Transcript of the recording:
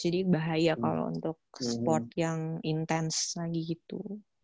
jadi bahaya kalau untuk sport yang intens lagi gitu